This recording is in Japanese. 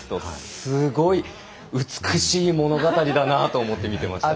すごい美しい物語だなと思って見ていました。